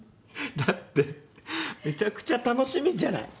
だってめちゃくちゃ楽しみじゃない。